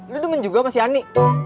lu demen juga sama si ani